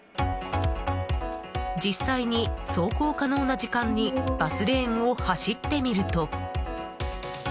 実際に走行可能な時間にバスレーンを走ってみると。